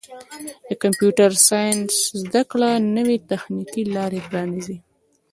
د کمپیوټر ساینس زدهکړه نوې تخنیکي لارې پرانیزي.